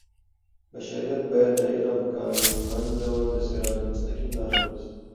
بشریت باید د علم په قانونمند ډول د صراط المستقیم لار ونیسي.